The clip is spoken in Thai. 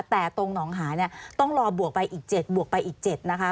แต่ตรงหนองหาเนี่ยต้องรอบวกไปอีก๗บวกไปอีก๗นะคะ